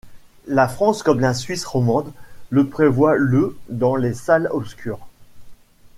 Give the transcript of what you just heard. La France, comme la Suisse romande, le prévoit le dans les salles obscures.